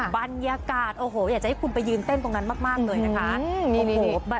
บรรยากาศโอ้โหอยากจะให้คุณไปยืนเต้นตรงนั้นมากเลยนะคะ